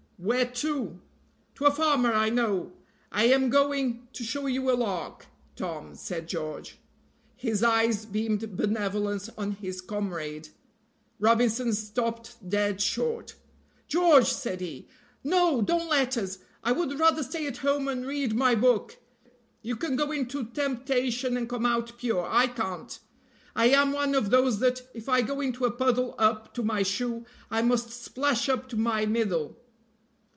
"Where to?" "To a farmer I know. I am going to show you a lark, Tom," said George. His eyes beamed benevolence on his comrade. Robinson stopped dead short. "George," said he, "no! don't let us. I would rather stay at home and read my book. You can go into temptation and come out pure; I can't. I am one of those that, if I go into a puddle up to my shoe, I must splash up to my middle."